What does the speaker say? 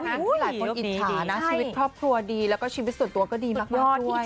หลายคนอิจฉานะชีวิตครอบครัวดีแล้วก็ชีวิตส่วนตัวก็ดีมากด้วย